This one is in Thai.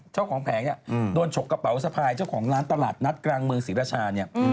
เจ้าของแผงโดนฉกกระเป๋าสะพายเจ้าของร้านตลาดนัดกรางเมืองศรีรชา